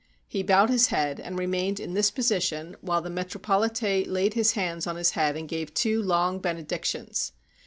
He bowed his head, and remained in this position while the metropolite laid his hands on his head and gave two long benedictions.